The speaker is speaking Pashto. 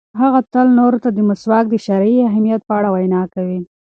هغه تل نورو ته د مسواک د شرعي اهمیت په اړه وینا کوي.